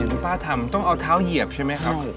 คุณป้าทำต้องเอาเท้าเหยียบใช่ไหมครับผม